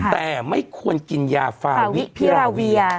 แต่ไม่ควรกินยาฟาวิพิราเวีย